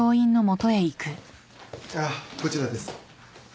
ああこちらです。